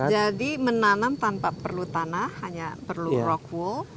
jadi menanam tanpa perlu tanah hanya perlu rock wool